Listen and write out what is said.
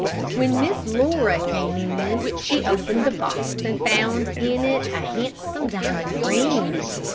When Miss Laura came in, she opened the box, and found in it a handsome diamond ring.